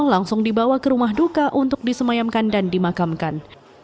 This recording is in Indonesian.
langsung dibawa ke rumah duka untuk disemayamkan dan dimakamkan